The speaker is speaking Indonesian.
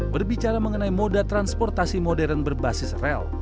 berbicara mengenai moda transportasi modern berbasis rel